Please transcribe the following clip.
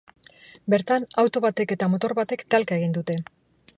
Bertan, auto batek eta motor batek talka egin dute.